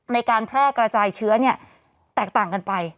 ในการแพร่กระจายเชื้อแตกต่างกันไป